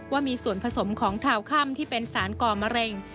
ว่ามีส่วนผสมของทาวค่ำที่เป็นสารก่อมะเร็ง